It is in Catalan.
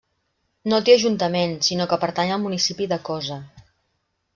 No té ajuntament, sinó que pertany al municipi de Cosa.